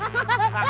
makasih pak lurah